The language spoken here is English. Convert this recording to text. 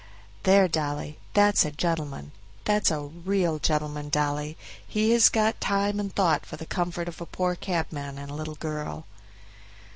"There, Dolly, that's a gentleman; that's a real gentleman, Dolly; he has got time and thought for the comfort of a poor cabman and a little girl."